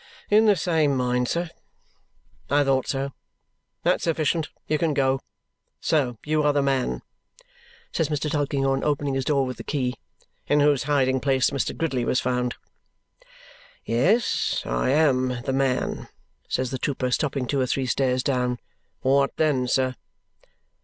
"In the same mind, sir." "I thought so. That's sufficient. You can go. So you are the man," says Mr. Tulkinghorn, opening his door with the key, "in whose hiding place Mr. Gridley was found?" "Yes, I AM the man," says the trooper, stopping two or three stairs down. "What then, sir?"